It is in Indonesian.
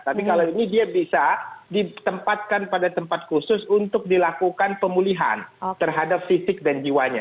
tapi kalau ini dia bisa ditempatkan pada tempat khusus untuk dilakukan pemulihan terhadap fisik dan jiwanya